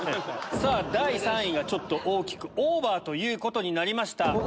第３位がちょっと大きくオーバーということになりました。